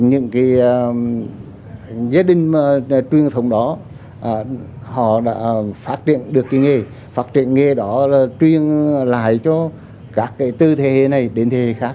những gia đình truyền thống đó họ đã phát triển được cái nghề phát triển nghề đó là truyền lại cho các tư thế hệ này đến thế hệ khác